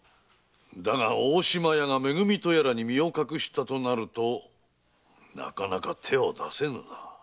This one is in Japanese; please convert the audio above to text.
だが大島屋がめ組とやらに身を隠したとなるとなかなか手を出せぬな。